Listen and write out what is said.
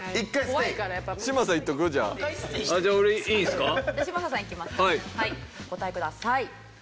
お答えください。